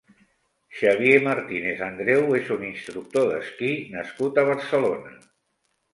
Xavier Martínez Andreu és un instructor d'esquí nascut a Barcelona.